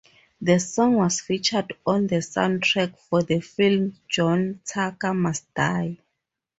The song was featured on the soundtrack for the film "John Tucker Must Die".